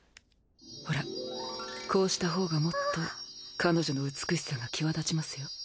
ほらこうしたほうがもっと彼女の美しさが際立ちますよ。